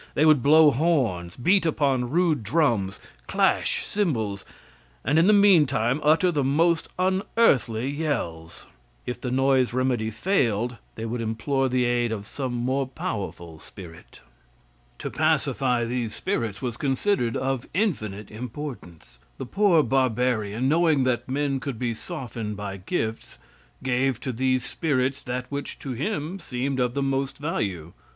They would blow horns, beat upon rude drums, clash cymbals, and in the meantime utter the most unearthly yells. If the noise remedy failed, they would implore the aid of some more powerful spirit. To pacify these spirits was considered of infinite importance. The poor barbarian, knowing that men could be softened by gifts, gave to these spirits that which to him seemed of the most value.